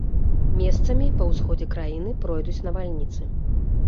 Месцамі па ўсходзе краіны пройдуць навальніцы.